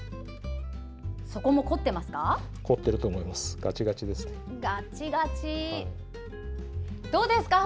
そこも凝ってますか？